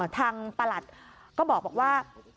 ประหลัดก็บอกว่า